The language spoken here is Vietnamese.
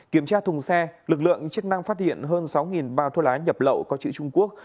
kiểm tra thùng xe lực lượng chức năng phát hiện hơn sáu bao thuốc lá nhập lậu có chữ trung quốc